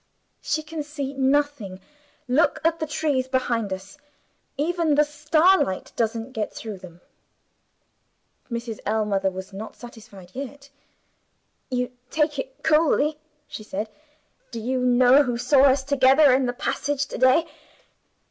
"She can see nothing. Look at the trees behind us. Even the starlight doesn't get through them." Mrs. Ellmother was not satisfied yet. "You take it coolly," she said. "Do you know who saw us together in the passage to day?